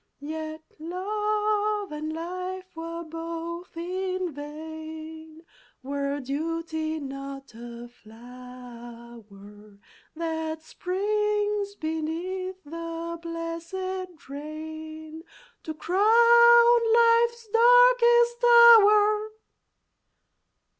Yet love and life were both in vain Were duty not a flower That springs beneath the blesséd rain To crown Life's darkest hour!"